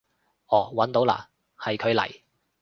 哦搵到嘞，係佢嚟